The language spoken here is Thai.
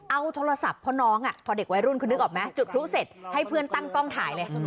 เอาโทรศัพท์เพราะน้องพอเด็กวัยรุ่นคุณนึกออกไหมจุดพลุเสร็จให้เพื่อนตั้งกล้องถ่ายเลย